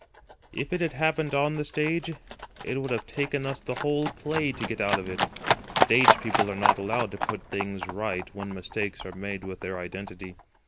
If it had happened on the stage it would have taken us the whole play to get out of it. Stage people are not allowed to put things right when mistakes are made with their identity.